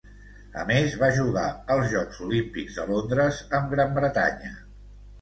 A més va jugar els Jocs Olímpics de Londres amb Gran Bretanya.